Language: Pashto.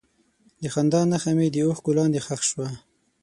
د خندا نښه مې د اوښکو لاندې ښخ شوه.